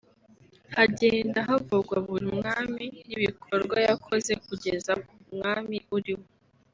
hagenda havugwa buri mwami n’ibikorwa yakoze kugeza ku mwami uriho